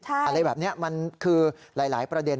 อะไรแบบนี้มันคือหลายประเด็น